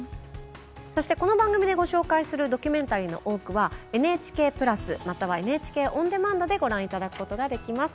そしてこの番組でご紹介するドキュメンタリーの多くはＮＨＫプラスまたはＮＨＫオンデマンドでご覧いただくことができます。